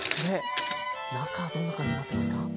中はどんな感じになってますか？